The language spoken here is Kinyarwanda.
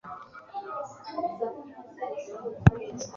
impamvu nuko amakuru akubiye muri izo nyandiko yashyizwe ahagaragara